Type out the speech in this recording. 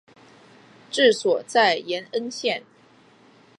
治所在延恩县。